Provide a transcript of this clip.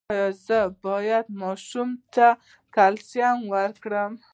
ایا زه باید ماشوم ته کلسیم ورکړم؟